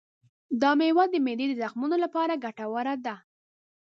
دا مېوه د معدې د زخمونو لپاره ګټوره ده.